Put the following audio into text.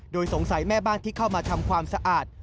โดยสงสัยแม่บ้านที่เข้ามาทำความสะอาด